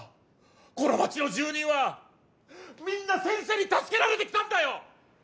この町の住民はみんな先生に助けられてきたんだよ！